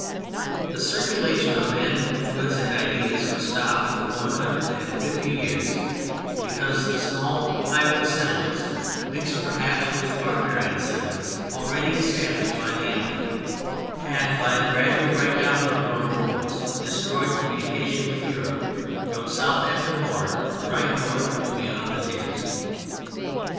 The circulation of men, goods and ideas was stopped for one hundred and fifty years because the small pirate settlements (mixed perhaps with barbarian settlements already established by the Empire) had, by the gradual breakdown of the Roman ports, destroyed communication with Europe from Southampton Water right north to beyond the Thames.